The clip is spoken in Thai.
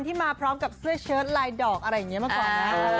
มาพร้อมกับเสื้อเชิดลายดอกอะไรอย่างนี้มาก่อนนะ